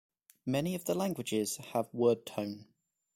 Many of the languages have word tone.